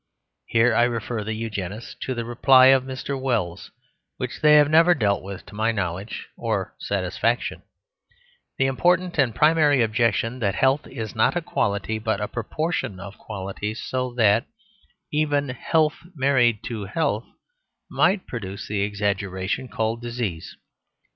Here I refer the Eugenists to the reply of Mr. Wells, which they have never dealt with to my knowledge or satisfaction the important and primary objection that health is not a quality but a proportion of qualities; so that even health married to health might produce the exaggeration called disease.